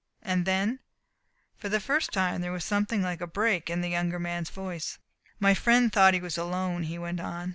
And then " For the first time there was something like a break in the younger man's voice. "My friend thought he was alone," he went on.